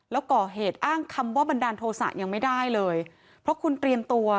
แล้วก่อเหตุอ้างคำว่าบันดาลโทษะยังไม่ได้เลยเพราะคุณเตรียมตัว